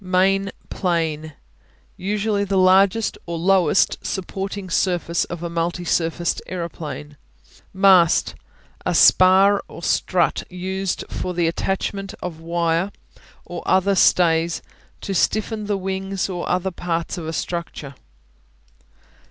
Main Plane Usually the largest or lowest supporting surface of a multi surfaced aeroplane. Mast A spar or strut used for the attachment of wire or other stays to stiffen the wings or other parts of a structure.